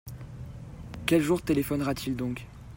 Quel jour téléphonera-t-il donc ?